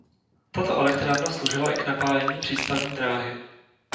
Tato elektrárna sloužila i k napájení přístavní dráhy.